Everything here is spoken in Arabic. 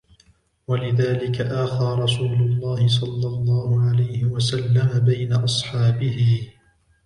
وَلِذَلِكَ آخَى رَسُولُ اللَّهِ صَلَّى اللَّهُ عَلَيْهِ وَسَلَّمَ بَيْنَ أَصْحَابِهِ